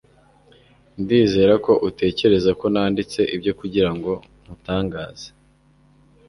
Ndizera ko utekereza ko nanditse ibyo kugirango ngutangaze